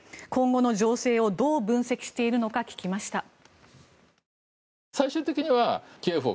今後の情勢をどう分析しているのか聞きました。